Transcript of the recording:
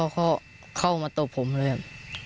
เข้ามาตบผมเลยอะ